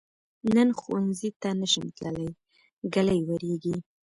نن ښؤونځي ته نشم تللی، ږلۍ وریږي.